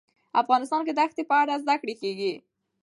افغانستان کې د ښتې په اړه زده کړه کېږي.